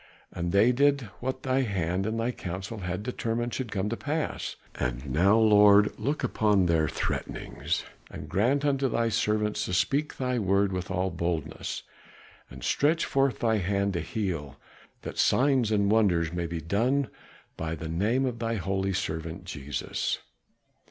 And they did what thy hand and thy counsel had determined should come to pass. And now, Lord, look upon their threatenings, and grant unto thy servants to speak thy word with all boldness, and stretch forth thy hand to heal, that signs and wonders may be done by the name of thy holy servant Jesus."